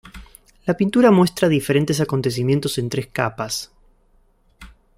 La pintura muestra diferentes acontecimientos en tres capas.